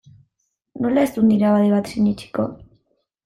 Nola ez dut nire abade bat sinetsiko?